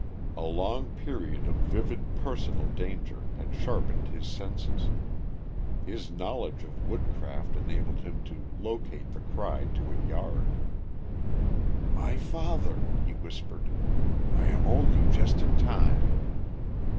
A long period of vivid personal danger had sharpened his senses. His knowledge of woodcraft enabled him to locate the cry to a yard. "My father," he whispered; "I am only just in time."